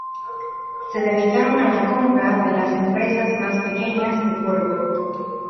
Se dedicaron a la compra de las empresas más pequeñas de polvo.